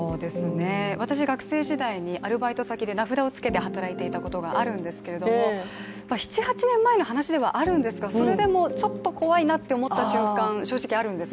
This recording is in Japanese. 私、学生時代にアルバイト先で名札をつけて働いていたことがあるんですけど７８年前の話ではあるんですけどそれでもちょっと怖いなと思った瞬間はあるんですよ。